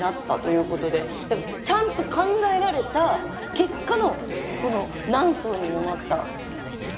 ちゃんと考えられた結果のこの何層にもなった野球ボール。